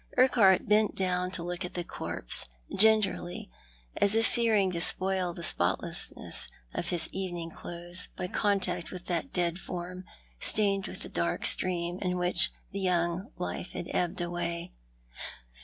Urquhart bent down to look at the corpse, gingerly, as if fearing to spoil the spotlessness of his evening clothes by contact with that dead form, stained with the dark stream in which the young life had ebbed away.